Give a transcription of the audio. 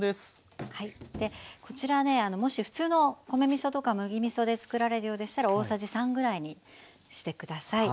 こちらねもし普通の米みそとか麦みそで作られるようでしたら大さじ３ぐらいにしてください。